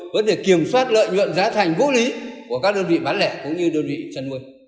vấn đề kiểm soát lợi nhuận giá thành vô lý của các đơn vị bán lẻ cũng như đơn vị chăn nuôi